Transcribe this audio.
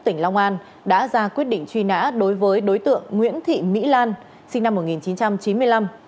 tỉnh long an đã ra quyết định truy nã đối với đối tượng nguyễn thị mỹ lan sinh năm một nghìn chín trăm chín mươi năm